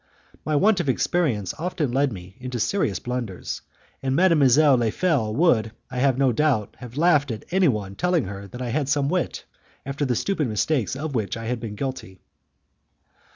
My want of experience often led me into serious blunders, and Mademoiselle Le Fel would, I have no doubt, have laughed at anyone telling her that I had some wit, after the stupid mistake of which I had been guilty.